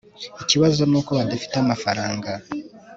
ikibazo nuko badafite amafaranga